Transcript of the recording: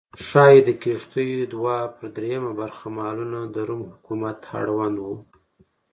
ښايي د کښتیو دوه پر درېیمه برخه مالونه د روم حکومت اړوند و